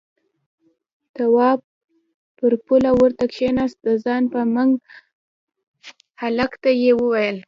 تواب پر پوله ورته کېناست، د ځان په منګ هلک ته يې وويل: